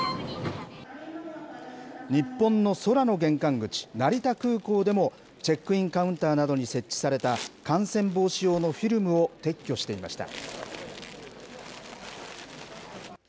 日本の空の玄関口、成田空港でも、チェックインカウンターなどに設置された、感染防止用のフィルムを撤去していました。